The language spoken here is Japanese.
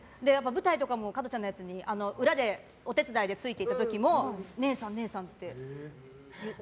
舞台とかも加トちゃんのやつに裏でお手伝いでついていった時も姉さん、姉さんって。